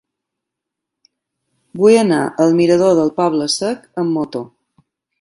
Vull anar al mirador del Poble Sec amb moto.